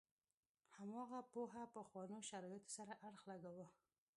هماغه پوهه پخوانو شرایطو سره اړخ لګاوه.